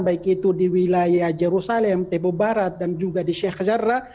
baik itu di wilayah jerusalem tebo barat dan juga di sheikh hazardra